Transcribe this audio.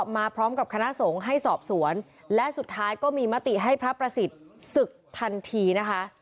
มาพร้อมกับคณะสงฆ์ให้สอบสวนและสุดท้ายก็มีมติให้พระประสิทธิ์ศึกทันทีนะคะ